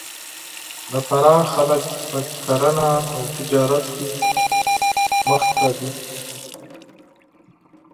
د فراه خلک په کرهنه او تجارت کې مخ ته دي